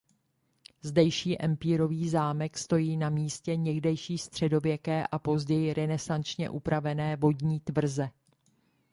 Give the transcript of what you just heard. Zdejší empírový zámek stojí na místě někdejší středověké a později renesančně upravené vodní tvrze.